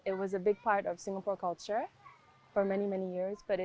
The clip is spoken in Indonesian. itu adalah bagian besar dari kultur singapura selama berapa tahun